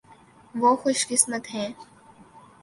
وہ خوش قسمت ہیں۔